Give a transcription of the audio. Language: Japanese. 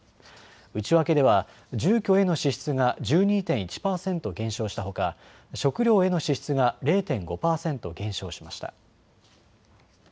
内訳では住居への支出が１２．１％減少したほか食料への支出が０．５％減少しました。